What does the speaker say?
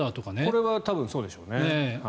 これは多分そうでしょうね。